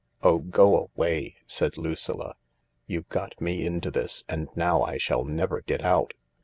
" Oh, go away !" said Lucilla, " You've got me into this, and now I shall never get out."